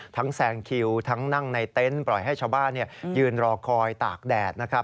แซงคิวทั้งนั่งในเต็นต์ปล่อยให้ชาวบ้านยืนรอคอยตากแดดนะครับ